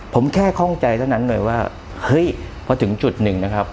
ผมแค่ข้องใจเท่านั้นเลยว่าเฮ้ยพอถึงจุดหนึ่งนะครับ